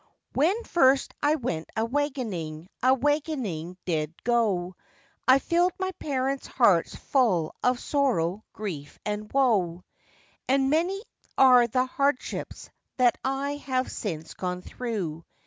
] WHEN first I went a waggoning, a waggoning did go, I filled my parents' hearts full of sorrow, grief, and woe. {208a} And many are the hardships that I have since gone through.